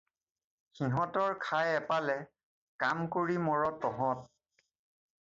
সিহঁতৰ খায় এপালে, কাম কৰি মৰ তহঁত।